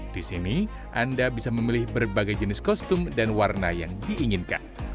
di sini anda bisa memilih berbagai jenis kostum dan warna yang diinginkan